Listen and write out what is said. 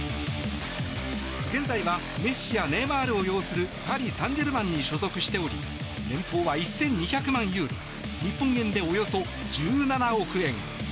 現在はメッシやネイマールを擁するパリ・サンジェルマンに所属しており年俸は１２００万ユーロ日本円でおよそ１７億円。